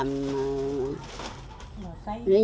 mới có làm suốt